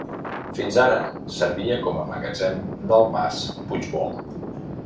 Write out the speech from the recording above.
Fins ara servia com a magatzem del mas Puigbò.